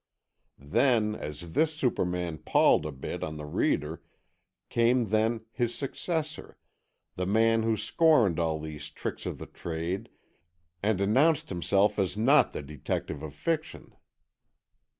Then, as this superman palled a bit on the reader, came then his successor, the man who scorned all these tricks of the trade and announced himself as not the detective of fiction."